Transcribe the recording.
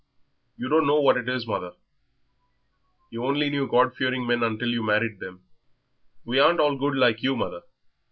You don't know what it is, mother; you only knew God fearing men until you married him. We aren't all good like you, mother.